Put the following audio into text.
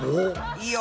いいよ。